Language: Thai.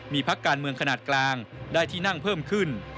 มีพักการเมืองขนาดกลางได้ที่นั่งเพิ่มขึ้น